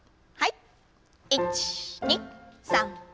はい。